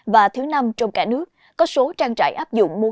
và thứ năm trong cả nước có số trang trại áp dụng